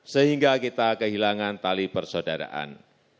sehingga kita kehilangan tali persaudaraan